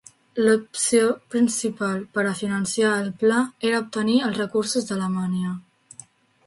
L'opció principal per a finançar el Pla era obtenir els recursos d'Alemanya.